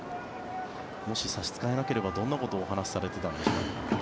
もし差し支えなければどんなことをお話しされていたんでしょうか。